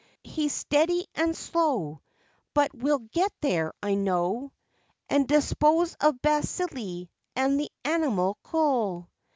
He's steady and slow But will "get there" I know, And dispose of bacilli and the animalcule.